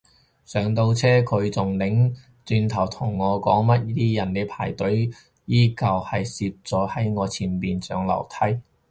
上到車佢仲擰轉頭同我講乜啲人唔排隊，依舊係攝咗喺我前面上樓梯